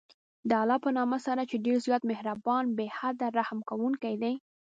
د الله په نامه سره چې ډېر زیات مهربان، بې حده رحم كوونكى دی.